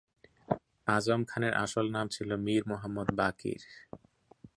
আযম খানের আসল নাম ছিল মীর মুহম্মদ বাকির।